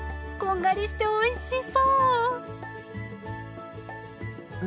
こんがりしておいしそう！